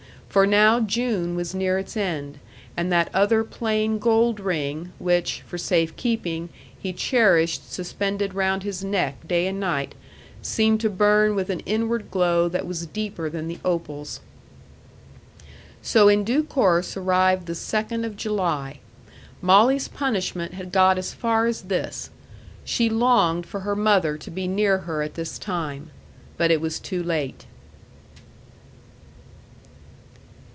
For now June was near its end; and that other plain gold ring, which, for safe keeping, he cherished suspended round his neck day and night, seemed to burn with an inward glow that was deeper than the opal's. So in due course arrived the second of July. Molly's punishment had got as far as this: she longed for her mother to be near her at this time; but it was too late.